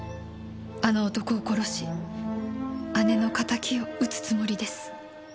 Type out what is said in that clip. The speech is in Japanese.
「あの男を殺し姉の仇を討つつもりです」